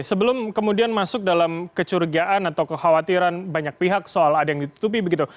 sebelum kemudian masuk dalam kecurigaan atau kekhawatiran banyak pihak soal ada yang ditutupi begitu